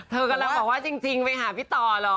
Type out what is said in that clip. เธอกำลังบอกว่าจริงไปหาพี่ต่อเหรอ